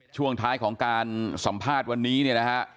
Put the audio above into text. ช่วงท้ายของการสัมภาษณ์วันนี้เนี่ยนะฮะ